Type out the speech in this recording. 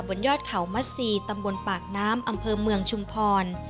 บนยอดเขามัสซีตำบลปากน้ำอำเภอเมืองชุมพร